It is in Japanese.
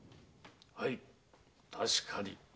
はい確かに。